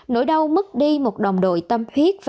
nỗi đau mất đi một đồng đội tâm huyết